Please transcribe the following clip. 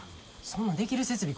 そんなんできる設備